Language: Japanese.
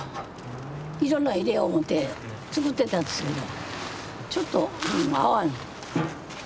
いろんなの入れよう思うて作ってたんですけどちょっとまあ合わん。